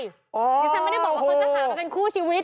ดิฉันไม่ได้บอกว่าเขาจะหามาเป็นคู่ชีวิต